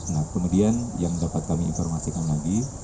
nah kemudian yang dapat kami informasikan lagi